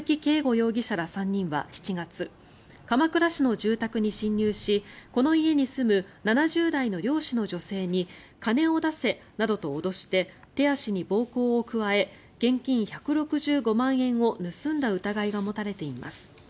容疑者ら３人は７月鎌倉市の住宅に侵入しこの家に住む７０代の漁師の女性に金を出せなどと脅して手足に暴行を加え現金１６５万円を盗んだ疑いが持たれています。